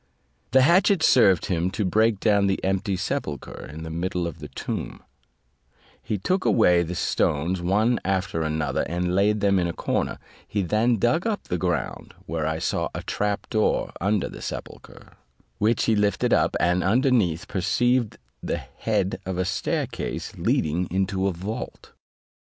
The hatchet served him to break down the empty sepulchre in the middle of the tomb; he took away the stones one after another, and laid them in a corner; he then dug up the ground, where I saw a trap door under the sepulchre, which he lifted up, and underneath perceived the head of a staircase leading into a vault.